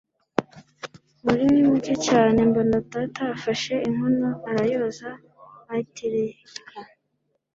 wari muke cyane, mbona data afashe inkono arayoza ayitereka